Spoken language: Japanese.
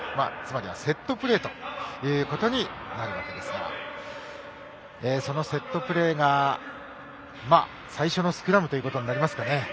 つまりはセットプレーとなるわけですがそのセットプレーが最初のスクラムとなりますかね。